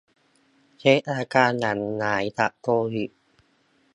เช็กอาการหลังหายจากโควิด